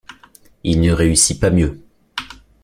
Il ne réussit pas mieux.